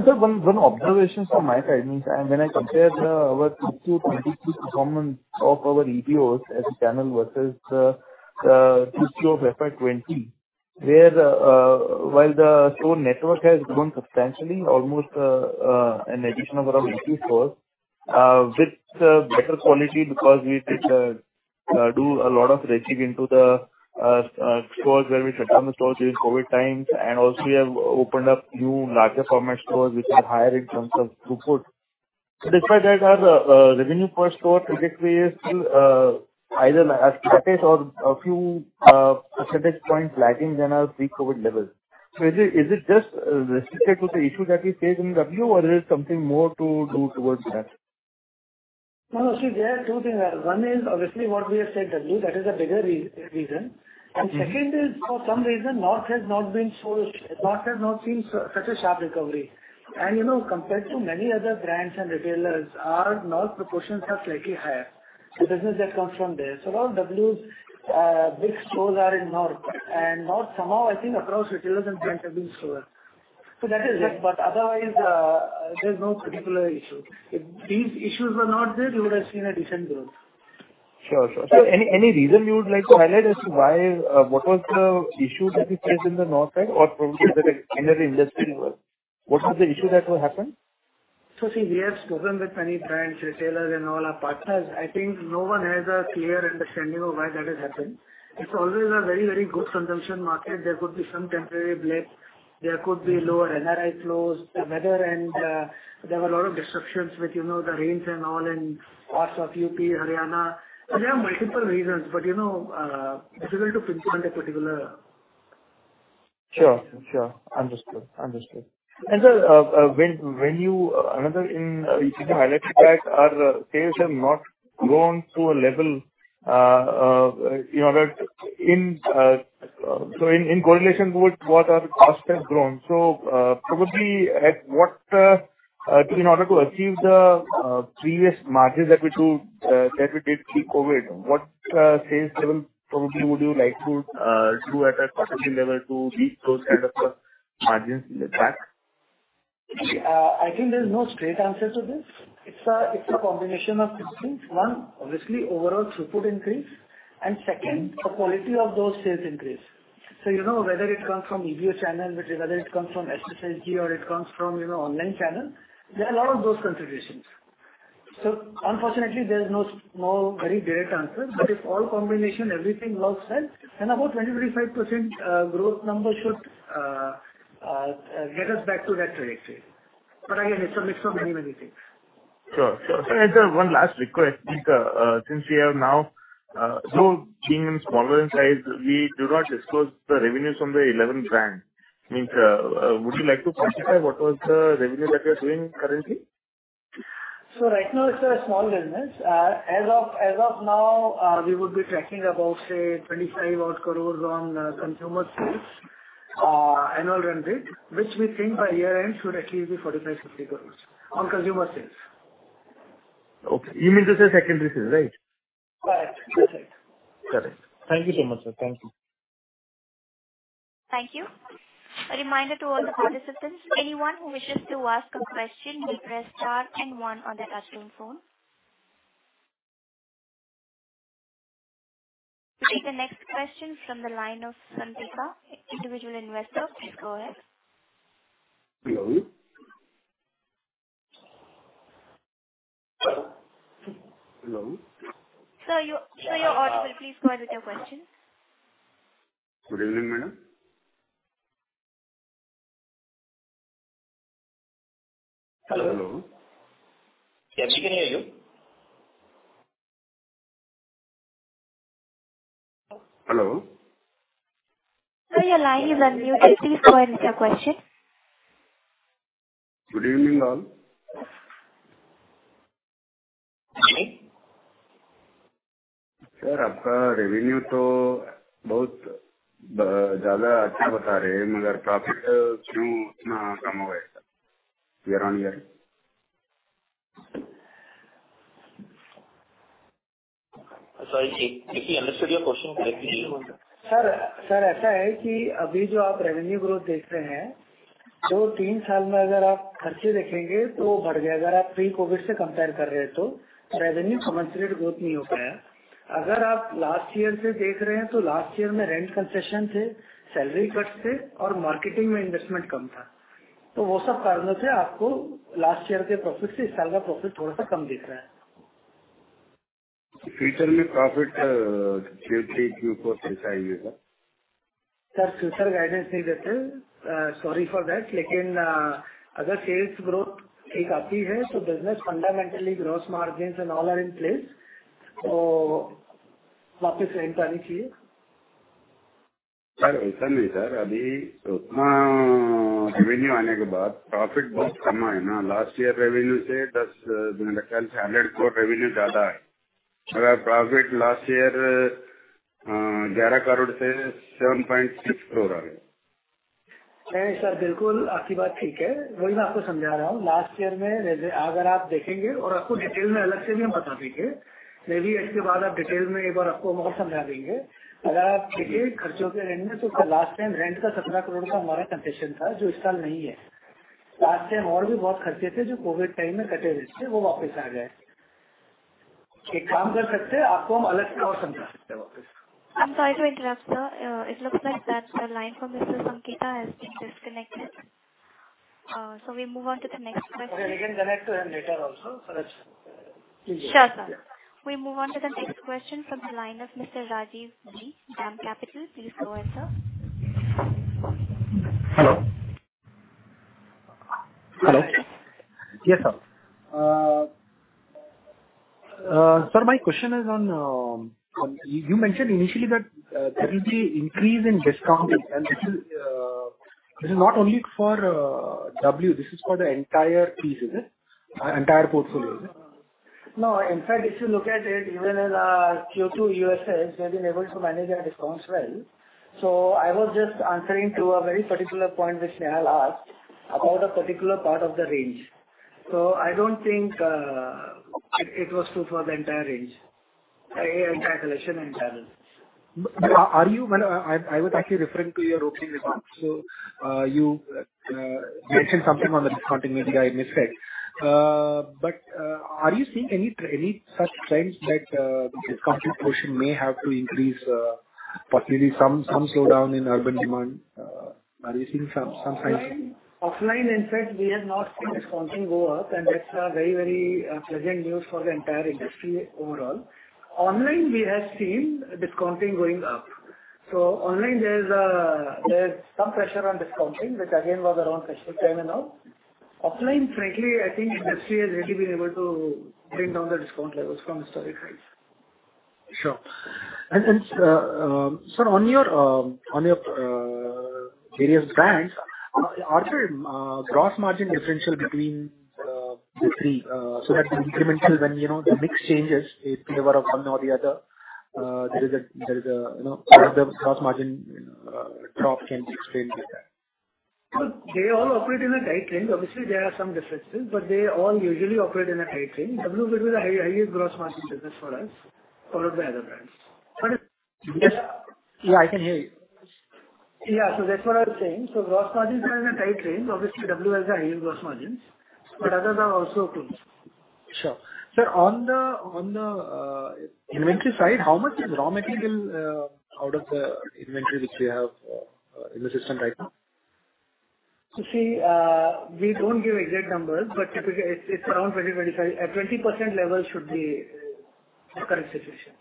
Sir, one observation from my side, I mean, when I compare our Q2 FY 2022 performance of our EBOs as a channel versus the Q2 of FY 2020, while the store network has grown substantially, almost an addition of around 80 stores, with better quality because we did do a lot of retaking into the stores where we shut down the stores during COVID times, and also we have opened up new larger format stores which are higher in terms of throughput. Despite that, our revenue per store trajectory is still either a few percentage points lagging than our pre-COVID levels. Is it just restricted to the issues that we face in W or there is something more to do towards that? No, no. See, there are two things. One is obviously what we have said, W. That is a bigger reason. Mm-hmm. Second is for some reason, North has not seen such a sharp recovery. You know, compared to many other brands and retailers, our North proportions are slightly higher, the business that comes from there. All W's big stores are in North, and North somehow I think across retailers and brands have been slower. That is it. Otherwise, there's no particular issue. If these issues were not there, you would have seen a different growth. Sure. Any reason you would like to highlight as to why what was the issue that we faced in the North side or probably is it an industry level? What was the issue that will happen? See, we have spoken with many brands, retailers and all our partners. I think no one has a clear understanding of why that has happened. It's always a very, very good consumption market. There could be some temporary blip. There could be lower NRI flows, the weather and there were a lot of disruptions with, you know, the rains and all in parts of UP, Haryana. There are multiple reasons, but, you know, difficult to pinpoint a particular. Sure. Understood. When you see the EBO like-to-like sales have not grown to a level, you know, that in correlation with what our costs have grown. Probably in order to achieve the previous margins that we did pre-COVID, what sales level would you like to do at a category level to reach those kind of margins back? I think there's no straight answer to this. It's a combination of two things. One, obviously overall throughput increase, and second, the quality of those sales increase. You know, whether it comes from EBO channel, whether it comes from SSG or it comes from online channel, there are a lot of those contributions. Unfortunately, there's no very direct answer. If all combination, everything locks well, then about 23.5% growth number should get us back to that trajectory. Again, it's a mix of many, many things. Sure. Sir, one last request. Thanks, since we have now, though being smaller in size, we do not disclose the revenues from the elleven brand. I mean, would you like to quantify what was the revenue that you're doing currently? Right now it's a small business. As of now, we would be tracking about, say, 25 odd crores on consumer sales, annual run rate, which we think by year-end should at least be 45-50 crores on consumer sales. Okay. You mean to say secondary sales, right? Correct. That's right. Correct. Thank you so much, sir. Thank you. Thank you. A reminder to all the participants, anyone who wishes to ask a question, may press star and one on their touch-tone phone. The next question from the line of Sanketa, Individual Investor. Please go ahead. Hello? Hello? Hello? Sir, you're audible. Please go ahead with your question. Good evening, madam. Hello? Hello? Can you hear me? Hello? Sir, your line is on mute. Please go ahead with your question. Good evening, all. Sir, aapka revenue toh bahot zyada achcha bata rahe hai magar profit kyu itna kam ho gaya hai year on year? Sorry. I didn't understand your question correctly. Sir, aisa hai ki abhi jo aap revenue growth dekh rahe hai, woh teen saal main agar aap kharche dekhenge toh woh badh gaya. Agar aap pre-COVID se compare kar rahe ho toh revenue commensurate growth nahi ho paya. Agar aap last year se dekh rahe hai toh last year main rent concession the, salary cuts the aur marketing main investment kam tha. Woh sab karanon se aapko last year ke profit se is saal ka profit thoda sa kam dikh raha hai. Future mein profit Q3, Q4 kaisa aayega? Sir, future guidance nahi dete. Sorry for that. Lekin, agar sales growth 1% hi hai, business fundamentally gross margins and all are in place. Toh wapis We move on to the next question from the line of Mr. Rajiv Ji, DAM Capital. Please go ahead, sir. Hello? Hello? Yes, sir. Sir, my question is on you mentioned initially that there will be increase in discounting, and this is not only for W, this is for the entire portfolio, is it? No. In fact, if you look at it, even in Q2 our sales, we have been able to manage our discounts well. I was just answering to a very particular point which Nihal asked about a particular part of the range. I don't think it was true for the entire range. Entire collection, entire range. I was actually referring to your opening remarks. You mentioned something on the discounting which I missed out. Are you seeing any such signs that the discounting portion may have to increase, possibly some slowdown in urban demand? Are you seeing some signs? Offline, in fact, we have not seen discounting go up, and that's a very pleasant news for the entire industry overall. Online, we have seen discounting going up. Online there's some pressure on discounting, which again was around festival time and all. Offline, frankly, I think industry has really been able to bring down the discount levels from historic highs. Sure. Sir, on your various brands, are there gross margin differential between the three so that it's incremental when, you know, the mix changes in favor of one or the other? There is a you know, the gross margin drop can be explained like that. Look, they all operate in a tight range. Obviously, there are some differences, but they all usually operate in a tight range. W will be the highest gross margin business for us out of the other brands. But if- Yes. Yeah, I can hear you. Yeah. That's what I was saying. Gross margins are in a tight range. Obviously, W has the highest gross margins, but others are also close. Sure. Sir, on the inventory side, how much is raw material out of the inventory which we have in the system right now? You see, we don't give exact numbers, but typically it's around 20-25. At 20% level should be the current situation.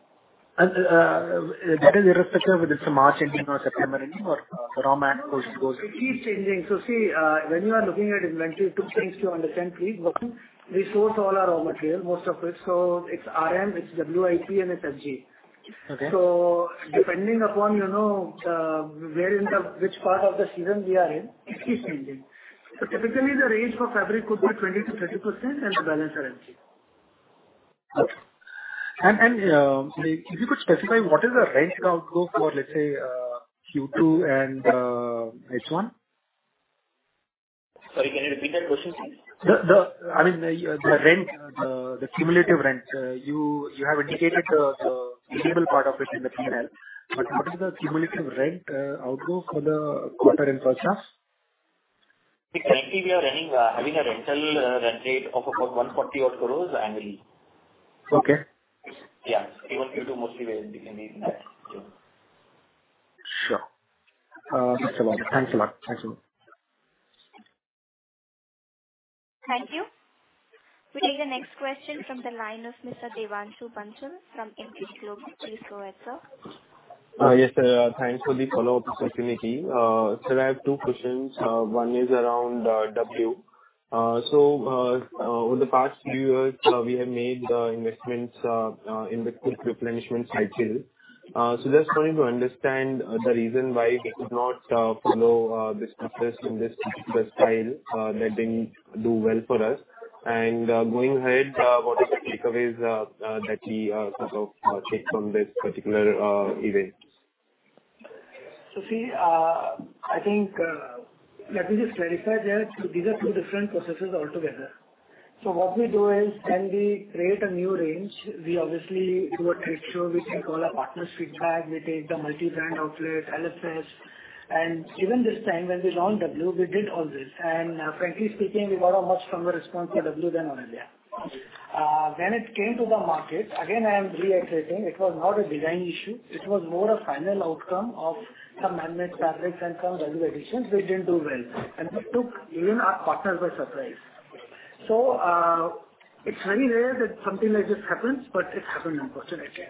That is irrespective if it's a March ending or September ending or the raw material goes. It keeps changing. See, when you are looking at inventory, two things to understand, three, but we source all our raw material, most of it. It's RM, it's WIP, and it's FG. Okay. Depending upon, you know, which part of the season we are in, it keeps changing. Typically the range for fabric could be 20%-30% and the balance are FG. If you could specify what is the rent outflow for, let's say, Q2 and H1. Sorry, can you repeat that question, please? I mean, the rent, the cumulative rent. You have indicated the payable part of it in the P&L. What is the cumulative rent outflow for the quarter in process? Currently we are running a rent rate of about 140-odd crore annually. Okay. Yeah. Even Q2 mostly will be in that zone. Sure. Thanks a lot. Thank you. We take the next question from the line of Mr. Devanshu Bansal from Emkay Global. Please go ahead, sir. Yes, thanks for the follow-up opportunity. Sir, I have two questions. One is around W. So, over the past few years, we have made investments in the quick replenishment cycle. So just wanting to understand the reason why we could not follow this process in this style that didn't do well for us. Going ahead, what are the takeaways that we sort of take from this particular event? See, I think, let me just clarify that these are two different processes altogether. What we do is when we create a new range, we obviously do a trade show, we take all our partners' feedback, we take the multi-brand outlet, LFS. Even this time when we launched W, we did all this. Frankly speaking, we got a much stronger response for W than Aurelia. When it came to the market, again, I am reiterating it was not a design issue, it was more a final outcome of some man-made fabrics and some value additions which didn't do well, and it took even our partners by surprise. It's very rare that something like this happens, but it happened unfortunately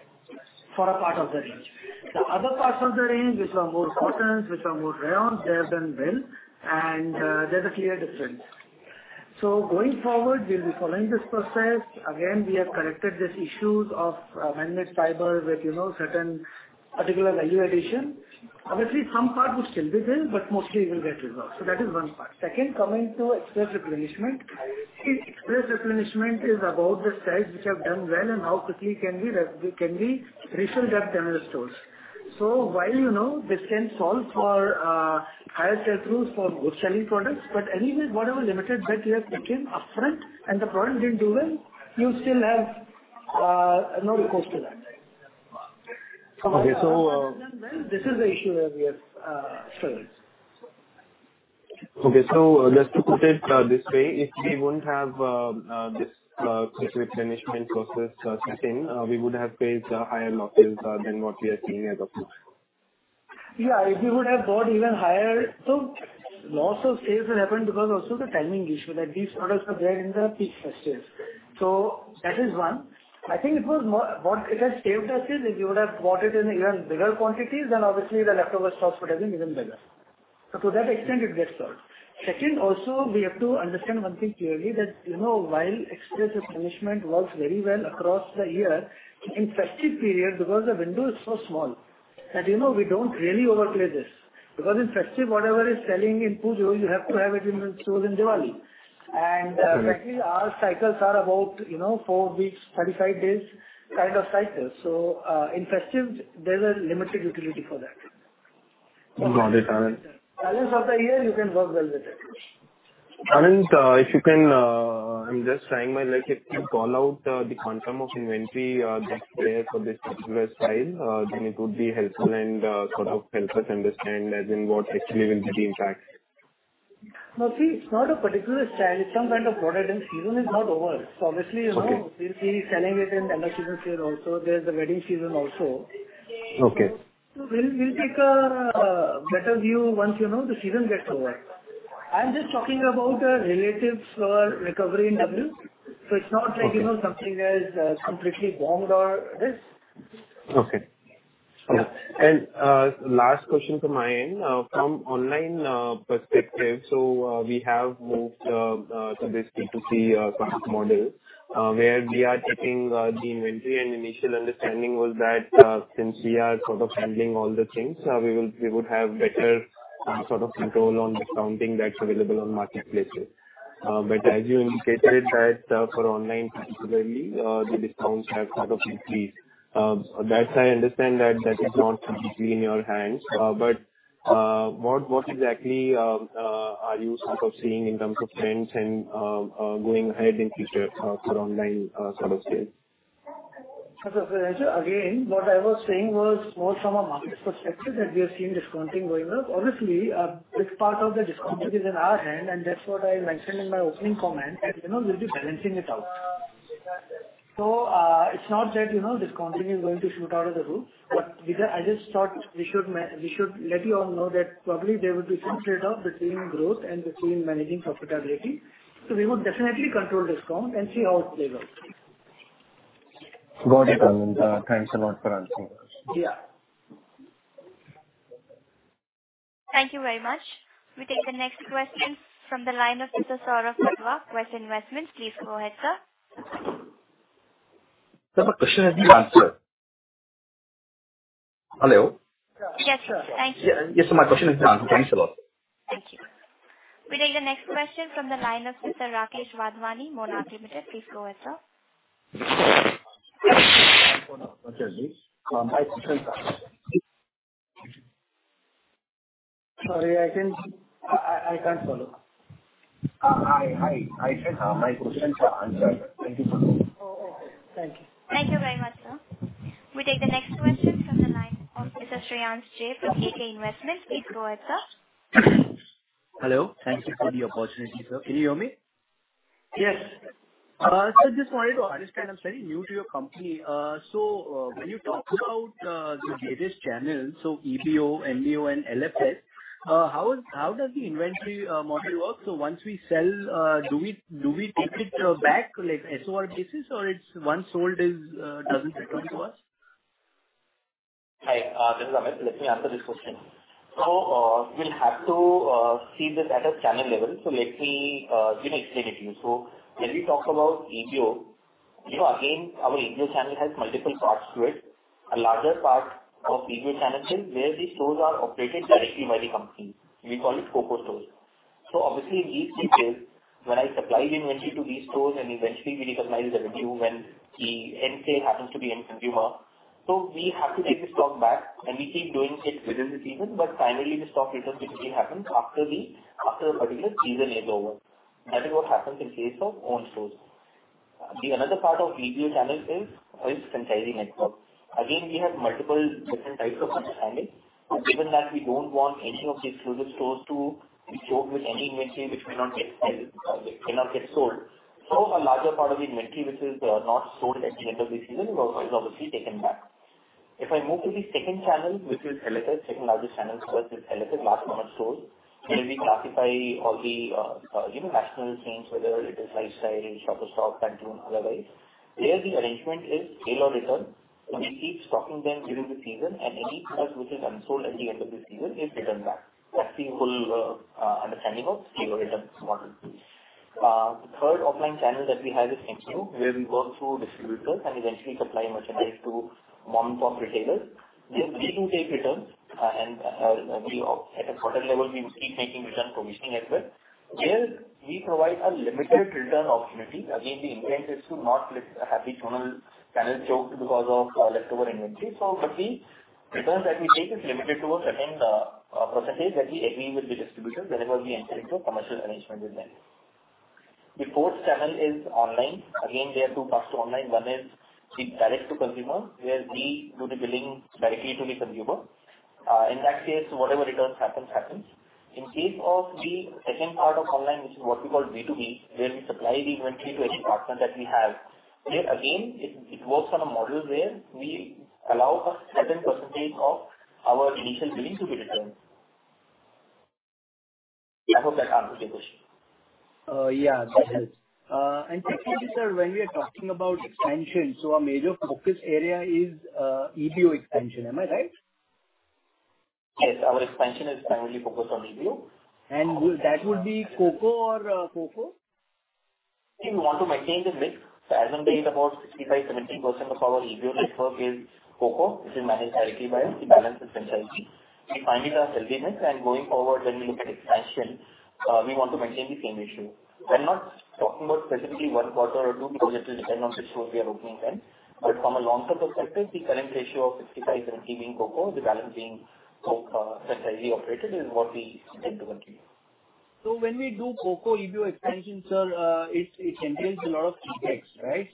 for a part of the range. The other parts of the range which were more cottons, which are more rayon, they have done well, and there's a clear difference. Going forward, we'll be following this process. Again, we have corrected these issues of manmade fiber with, you know, certain particular value addition. Obviously, some part would still be there, but mostly we will get resolved. That is one part. Second, coming to express replenishment. See, express replenishment is about the styles which have done well and how quickly can we refill that channel of stores. While, you know, this can solve for higher sell-throughs for wholesaling products, but anyway, whatever limited bet we have taken upfront and the product didn't do well, you still have no recourse to that. Okay. This is the issue that we are struggling. Okay. Just to put it this way, if we wouldn't have this quick replenishment process set in, we would have faced higher losses than what we are seeing as of now. Yeah. If you would have bought even higher. Loss of sales will happen because also the timing issue, that these products are there in the peak festive. That is one. I think what it has saved us is if you would have bought it in even bigger quantities, then obviously the leftover stocks would have been even bigger. To that extent, it gets solved. Second, also, we have to understand one thing clearly that, you know, while express replenishment works very well across the year, in festive period, because the window is so small that, you know, we don't really overplay this because in festive, whatever is selling in Pujo, you have to have it in stores in Diwali. Okay. Frankly, our cycles are about, you know, four weeks, 35 days kind of cycles. In festive there's a limited utility for that. Got it, Anant. Balance of the year you can work well with it. Anant, if you can, I'm just trying my luck. If you call out the quantum of inventory that's there for this particular style, then it would be helpful and sort of help us understand as in what actually will be the impact. No, see, it's not a particular style. It's some kind of product, and season is not over. Obviously, you know. Okay. We'll be selling it in another season sale also. There's the wedding season also. Okay. We'll take a better view once, you know, the season gets over. I'm just talking about a relative recovery in W. Okay. It's not like, you know, something has completely bombed or this. Okay. Yeah. Last question from my end. From online perspective, we have moved to this B2C class model, where we are taking the inventory and initial understanding was that, since we are sort of handling all the things, we would have better sort of control on discounting that's available on marketplaces. But as you indicated that, for online particularly, the discounts have sort of increased. That I understand that is not completely in your hands. But what exactly are you sort of seeing in terms of trends and going ahead in future, for online sort of sales? Devanshu, again, what I was saying was more from a market perspective that we are seeing discounting going up. Obviously, this part of the discount is in our hand, and that's what I mentioned in my opening comment. You know, we'll be balancing it out. It's not that, you know, discounting is going to shoot out of the roof. I just thought we should let you all know that probably there will be some trade-off between growth and between managing profitability. We would definitely control discount and see how it plays out. Got it. Thanks a lot for answering the question. Yeah. Thank you very much. We take the next question from the line of Mr. Saurabh Patwa, Quest Investment Advisers. Please go ahead, sir. Sir, my question has been answered. Hello? Yes, sir. Thank you. Yes. My question has been answered. Thanks a lot. Thank you. We take the next question from the line of Mr. Rakesh Wadhwani, Monarch Ltd. Please go ahead, sir. My question's answered. Sorry, I can't follow. Hi. Hi. I said, my question is answered. Thank you so much. Oh, okay. Thank you. Thank you very much, sir. We take the next question from the line of Mr. Shreyans Jain from JK Investments. Please go ahead, sir. Hello. Thank you for the opportunity, sir. Can you hear me? Yes. Just wanted to understand, I'm very new to your company. When you talk about the various channels, EBO, MBO and LFS, how does the inventory model work? Once we sell, do we take it back like SOR basis or it's once sold is, doesn't return to us? Hi, this is Amit. Let me answer this question. We'll have to see this at a channel level. Let me, you know, explain it to you. When we talk about EBO, you know, again, our EBO channel has multiple parts to it. A larger part of EBO channel is where the stores are operated directly by the company. We call it CoCo stores. Obviously in these cases, when I supply the inventory to these stores and eventually we recognize the revenue when the end sale happens to the end consumer, we have to take the stock back and we keep doing it within the season, but finally the stock return typically happens after a particular season is over. That is what happens in case of owned stores. The another part of EBO channel is our franchising network. Again, we have multiple different types of understanding. Given that we don't want any of these stores to be choked with any inventory which may not get sold. A larger part of the inventory which is not sold at the end of the season is obviously taken back. If I move to the second channel, which is LFS, second largest channel for us is LFS, large format stores, where we classify all the, you know, national chains, whether it is Lifestyle, Shoppers Stop, Pantaloons, otherwise. There the arrangement is sale or return. We keep stocking them during the season, and any product which is unsold at the end of the season is returned back. That's the whole understanding of sale or return model. The third offline channel that we have is MBO, where we work through distributors and eventually supply merchandise to mom-and-pop retailers. Yes, we do take returns, and we at a quarter level, we would keep taking returns from each network. Here we provide a limited return opportunity. Again, the intent is to not let any channel choked because of leftover inventory. Obviously returns that we take is limited to a certain percentage that we agree with the distributor whenever we enter into a commercial arrangement with them. The fourth channel is online. Again, there are two parts to online. One is the direct to consumer, where we do the billing directly to the consumer. In that case, whatever returns happens. In case of the second part of online, which is what we call B2B, where we supply the inventory to each partner that we have, there again, it works on a model where we allow a certain percentage of our initial billing to be returned. I hope that answers your question. Yeah, that helps. Secondly, sir, when we are talking about expansion, so our major focus area is EBO expansion. Am I right? Yes, our expansion is primarily focused on EBO. Would that be CoCo or FrCoCo? We want to maintain the mix. As on date about 65%-70% of our EBO network is CoCo, which is managed directly by us. The balance is franchisee. We find it a healthy mix and going forward when we look at expansion, we want to maintain the same ratio. We're not talking about specifically one quarter or two because it will depend on which stores we are opening when. From a long-term perspective, the current ratio of 65%-70% being CoCo, the balance being franchisee operated is what we intend to continue. When we do CoCo EBO expansion, sir, it entails a lot of CapEx, right?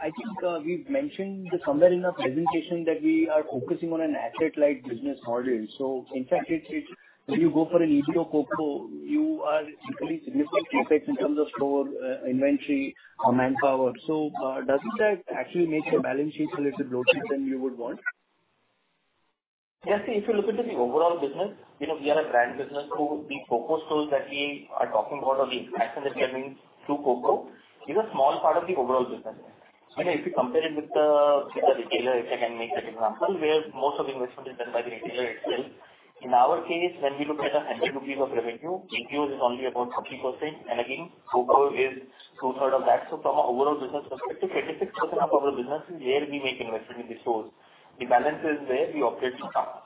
I think we've mentioned this somewhere in our presentation that we are focusing on an asset-light business model. In fact, it's when you go for an EBO CoCo, you incur equally significant CapEx in terms of store, inventory or manpower. Doesn't that actually make your balance sheet a little bloatier than you would want? Yeah, see, if you look into the overall business, you know, we are a brand business. So the CoCo stores that we are talking about or the expansion that's happening through CoCo is a small part of the overall business. You know, if you compare it with the retailer, if I can make that example, where most of the investment is done by the retailer itself. In our case, when we look at 100 rupees of revenue, EBO is only about 30%, and again, CoCo is two-thirds of that. So from an overall business perspective, 86% of our business is where we make investment in the stores. The balance is where we operate from partners.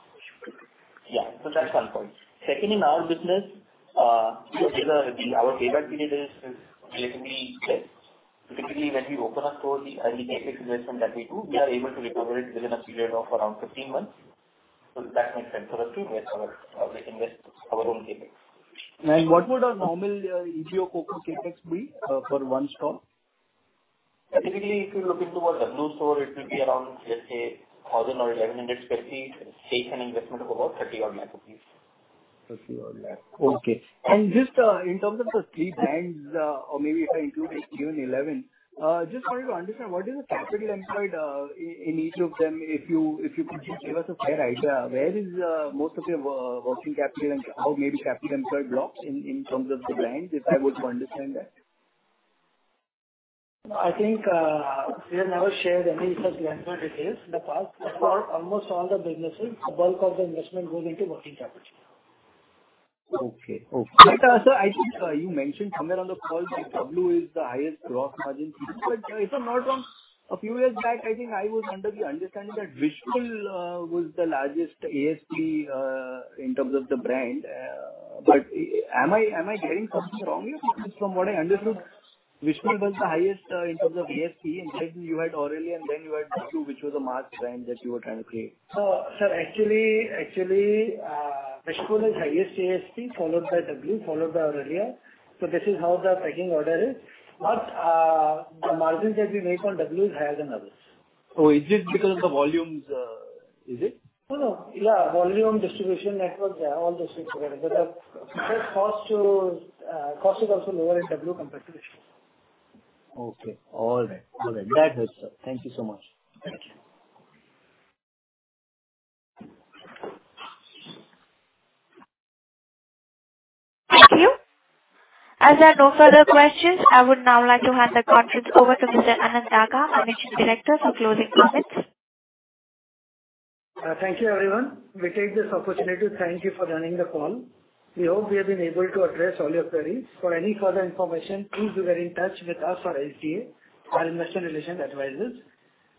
Yeah. So that's one point. Second, in our business, we are builder, our payback period is relatively less. Typically, when we open a store, the CapEx investment that we do, we are able to recover it within a period of around 15 months. That makes sense for us. We can invest our own CapEx. What would a normal in a CoCo CapEx be for one store? Typically, if you look into our W store, it will be around, let's say, 1,000 or 1,100 sq ft and takes an investment of about INR 30-odd lakh. INR 30-odd lakh. Okay. Just in terms of the three brands, or maybe if I include even elleven, just wanted to understand what is the capital employed in each of them? If you could just give us a fair idea where is most of your working capital and how maybe capital employed blocks in terms of the brands, if I would to understand that. I think, we have never shared any such breakdown with this in the past. For almost all the businesses, the bulk of the investment goes into working capital. Sir, I think you mentioned somewhere on the call that W is the highest gross margin. If I'm not wrong, a few years back, I think I was under the understanding that Wishful was the largest ASP in terms of the brand. Am I getting something wrong here? Because from what I understood, Wishful was the highest in terms of ASP, and then you had Aurelia, and then you had W, which was a mass brand that you were trying to create. sir, actually, Wishful is highest ASP, followed by W, followed by Aurelia. This is how the pecking order is. The margins that we make on W is higher than others. Oh, is this because of the volumes, is it? No, no. Yeah, volume, distribution networks, yeah, all those things are there. But, cost is also lower in W compared to Wishful. Okay. All right. That helps, sir. Thank you so much. Thank you. Thank you. As there are no further questions, I would now like to hand the conference over to Mr. Anant Daga, Managing Director, for closing comments. Thank you everyone. We take this opportunity to thank you for joining the call. We hope we have been able to address all your queries. For any further information, please be well in touch with us or SGA, our investor relations advisors.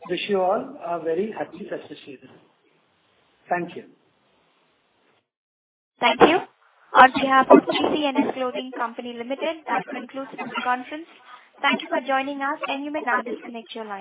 Wish you all a very happy, successful day. Thank you. Thank you. On behalf of TCNS Clothing Co. Limited, that concludes this conference. Thank you for joining us, and you may now disconnect your lines.